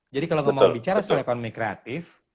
jadi kalau kamu mau bicara soal ekonomi kreatif